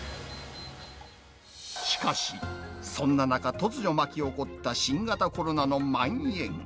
しかし、そんな中、突如巻き起こった新型コロナのまん延。